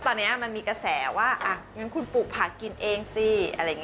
ตอนนี้มันมีกระแสว่าอย่างนั้นคุณปลูกผักกินเองสิ